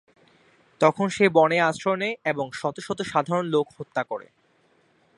তখন সে বনে আশ্রয় নেয় এবং শত শত সাধারণ লোক হত্যা করে।